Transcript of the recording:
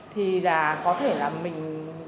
thì là có thể là mình